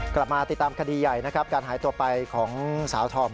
กลับมาติดตามคดีใหญ่นะครับการหายตัวไปของสาวธอม